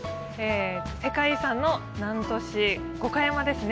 世界遺産の南砺市、五箇山ですね。